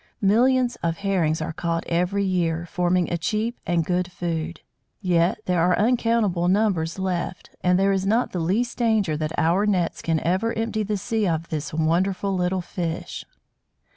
Millions of Herrings are caught every year, forming a cheap and good food. Yet there are uncountable numbers left; and there is not the least danger that our nets can ever empty the sea of this wonderful little fish.